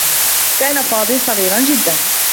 كان فاضل صغيرا جدّا.